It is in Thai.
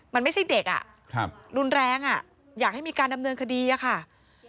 มันไม่ใช่เด็กอ่ะรุนแรงอยากให้มีการดำเนินคดีอะค่ะ